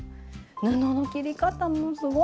布の切り方もすごい。